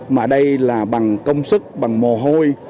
mà đây là bằng công sức bằng mồ hôi